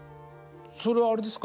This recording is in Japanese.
それはあれですか？